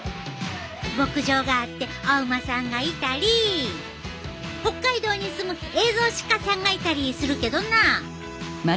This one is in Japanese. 牧場があってお馬さんがいたり北海道に住むエゾシカさんがいたりするけどな。